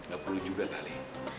gak perlu juga balik